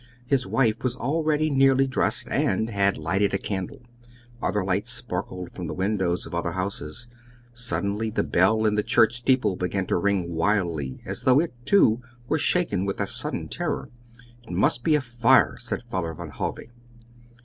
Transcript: His wife was already nearly dressed, and had lighted a candle. Other lights sparkled from the windows of other houses. Suddenly the bell in the church steeple began to ring wildly, as though it, too, were shaken with a sudden terror. "It must be a fire," said Father Van Hove.